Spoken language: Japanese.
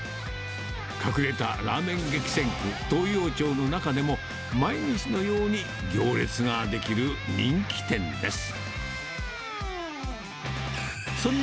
隠れたラーメン激戦区、東陽町の中でも毎日のように行列が出来る人気店です。